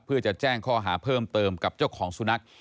เพื่อจะแจ้งข้อหาเพิ่มเติมกับเจ้าของสุนัข